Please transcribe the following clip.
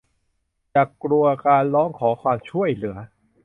อย่ากลัวการร้องขอความช่วยเหลือ